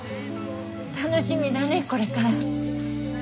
楽しみだねこれから。